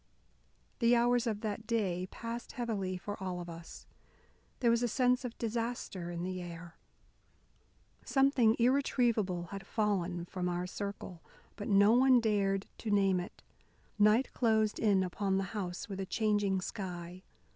The hours of that day passed heavily for all of us. There was a sense of disaster in the air. Something irretrievable had fallen from our circle. But no one dared to name it. Night closed in upon the house with a changing sky.